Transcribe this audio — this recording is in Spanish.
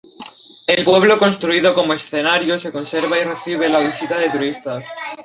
El pueblo construido como escenario se conserva y recibe la visita de turistas.